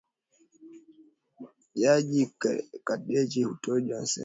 Jaji Ketanji ahojiwa na seneti siku ya pili